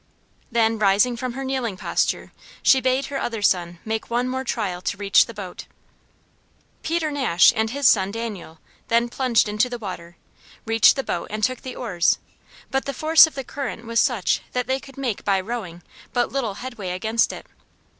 Then rising from her kneeling posture, she bade her other son make one more trial to reach the boat. Peter Nash and his son Daniel then plunged into the water, reached the boat, and took the oars, but the force of the current was such that they could make, by rowing, but little headway against it.